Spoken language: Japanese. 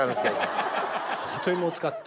里芋を使った。